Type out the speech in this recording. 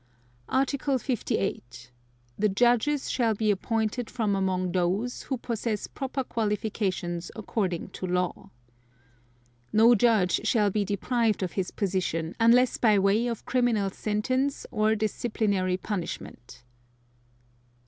Article 58. The judges shall be appointed from among those, who possess proper qualifications according to law. (2) No judge shall be deprived of his position, unless by way of criminal sentence or disciplinary punishment.